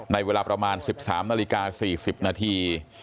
เวลาประมาณ๑๓นาฬิกา๔๐นาที